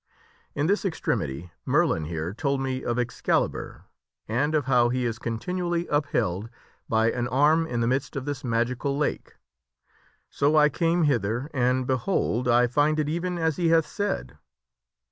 In this extremity Merlin, here, told me of Excalibur, and of how he is continually upheld by an arm in the midst of this magical lake. So I came hither and, behold, I find it even as he hath said.